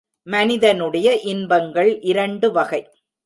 மனிதனுடைய இன்பங்கள் இரண்டு வகை.